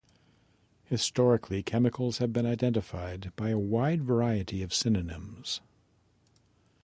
Historically, chemicals have been identified by a wide variety of synonyms.